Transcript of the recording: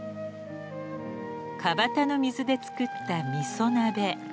川端の水で作ったみそ鍋。